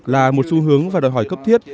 là một xu hướng và đòi hỏi cấp thiết